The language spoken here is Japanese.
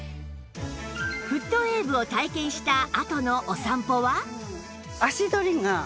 フットウェーブを体験したあとのお散歩は？